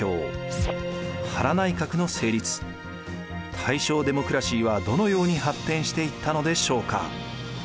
大正デモクラシーはどのように発展していったのでしょうか？